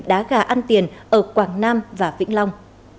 đá gà ăn tiền ở quảng nam và vĩnh long